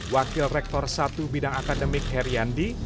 wakil rektor satu bidang akademik heriandi